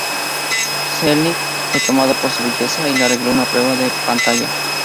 Selznick fue tomado por su belleza y le arregló una prueba de pantalla.